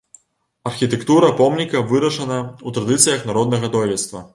Архітэктура помніка вырашана ў традыцыях народнага дойлідства.